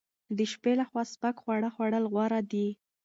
د شپې لخوا سپک خواړه خوړل غوره دي.